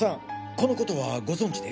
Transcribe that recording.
このことはご存じで？